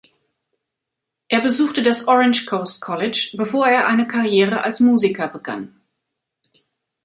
Er besuchte das Orange Coast College, bevor er eine Karriere als Musiker begann.